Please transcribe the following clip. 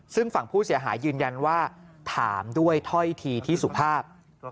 ซึ่งฝั่งผู้เสียหายยืนยันว่าถามด้วยถ้อยทีที่สุภาพ